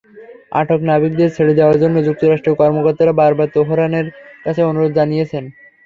আটক নাবিকদের ছেড়ে দেওয়ার জন্য যুক্তরাষ্ট্রের কর্মকর্তারা বারবার তেহরানের কাছে অনুরোধ জানিয়েছেন।